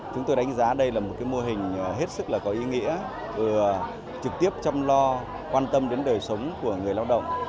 chúng tôi đánh giá đây là một mô hình hết sức là có ý nghĩa trực tiếp chăm lo quan tâm đến đời sống của người lao động